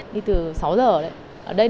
đi từ sáu giờ đấy